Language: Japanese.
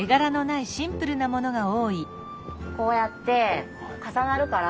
こうやって重なるから。